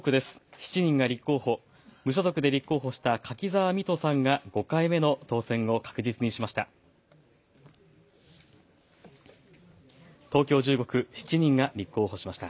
７人が立候補、無所属で立候補した柿沢未途さんが５回目の当選を確実にしました。